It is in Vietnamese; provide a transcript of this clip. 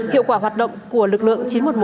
hiệu quả hoạt động của lực lượng chín trăm một mươi một